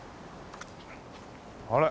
あれ？